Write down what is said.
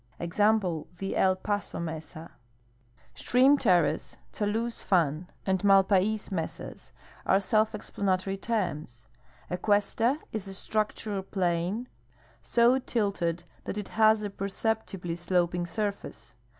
Example, the El Paso mesa. Stream terrace, talus fan, and malpais mesas are self explanator}^ terms. A cuesta is a structural plain, so tilted that it has a perceptibly sloping surface.